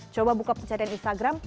coba buka pencadian instagram